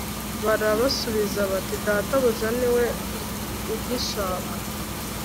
Barabasubiza bati Databuja ni we ugishaka